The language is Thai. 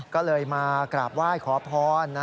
ก็เลยมากราบไหว้ขอพร